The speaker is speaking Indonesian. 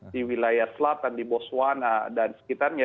di wilayah selatan di boswana dan sekitarnya